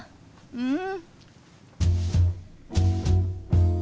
うん！